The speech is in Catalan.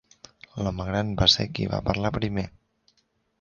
L'home gran va ser qui va parlar primer.